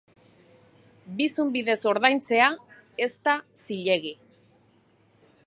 Bizum bidez ordaintzea ez da zilegi.